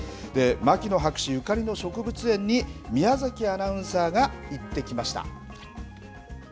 牧野博士ゆかりの植物園に、宮崎アナウンサーが行ってきました。